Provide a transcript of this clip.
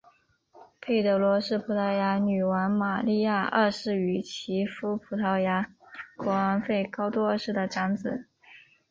佩德罗是葡萄牙女王玛莉亚二世与其夫葡萄牙国王费南度二世的长子。